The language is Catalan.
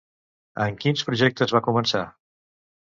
Amb quins projectes va començar?